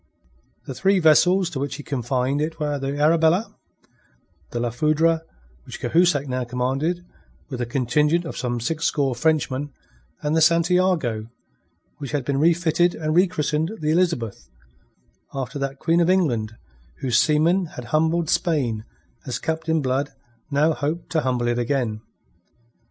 The three vessels to which he confined it were the Arabella, the La Foudre, which Cahusac now commanded with a contingent of some sixscore Frenchmen, and the Santiago, which had been refitted and rechristened the Elizabeth, after that Queen of England whose seamen had humbled Spain as Captain Blood now hoped to humble it again.